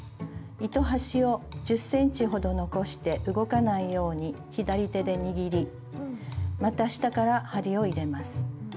糸端を１０ｃｍほど残して動かないように左手で握りまた下から針を入れます。